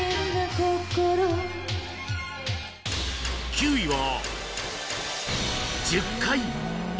９位は